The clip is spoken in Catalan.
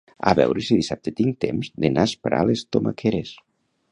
A veure si dissabte tinc temps de nasprar les tomaqueres